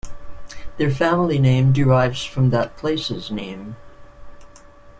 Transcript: Their family name derives from that place's name.